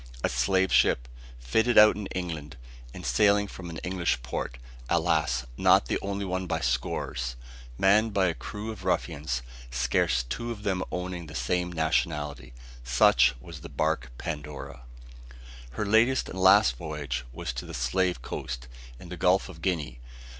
A slave ship, fitted out in England, and sailing from an English port, alas! not the only one by scores, manned by a crew of ruffians, scarce two of them owning to the same nationality. Such was the bark Pandora. Her latest and last voyage was to the slave coast, in the Gulf of Guinea.